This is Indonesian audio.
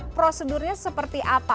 prosedurnya seperti apa